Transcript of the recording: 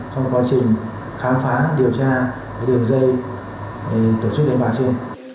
trong quá trình khám phá điều tra đường dây để tổ chức đánh bạc chưa